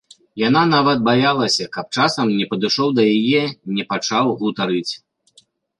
Яна нават баялася, каб часам не падышоў да яе, не пачаў гутарыць.